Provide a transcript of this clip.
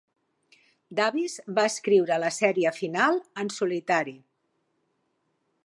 Davis va escriure la sèrie final en solitari.